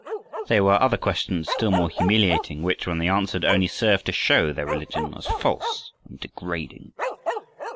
There were other questions, still more humiliating, which, when they answered, only served to show their religion as false and degrading.